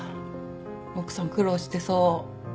奥さん苦労してそう。